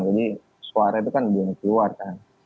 jadi suara itu kan belum keluar kan